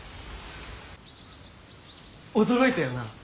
驚いたよな。